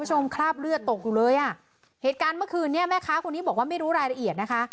คราบเลือดตกอยู่เลยอ่ะเหตุการณ์เมื่อคืนนี้แม่ค้าคนนี้บอกว่าไม่รู้รายละเอียดนะคะ